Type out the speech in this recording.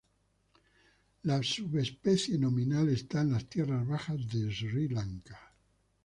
La subespecie nominal está en las tierras bajas de Sri Lanka.